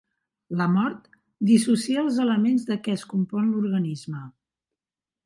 La mort dissocia els elements de què es compon l'organisme.